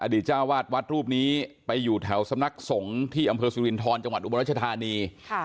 เจ้าวาดวัดรูปนี้ไปอยู่แถวสำนักสงฆ์ที่อำเภอสุรินทรจังหวัดอุบลรัชธานี